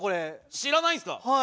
知らないんすか？